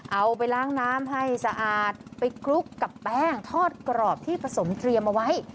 เอาไปล้างน้ำให้สะอาดไปคลุกกับแป้งทอดกรอบที่ผสมเตรียมเอาไว้